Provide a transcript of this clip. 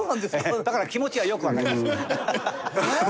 だから気持ちはよくわかります。